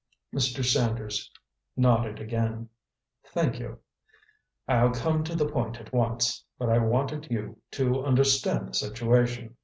Mr. Sanders nodded again. "Thank you. I'll come to the point at once, but I wanted you to understand the situation.